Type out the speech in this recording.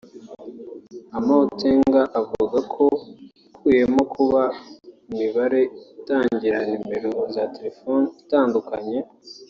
Amoateng avuga ko ukuyemo kuba imibare itangira nimero za telefoni itandukanye